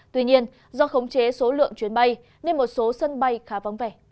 tuy nhiên do khống chế số lượng chuyến bay nên một số sân bay khá vóng vẻ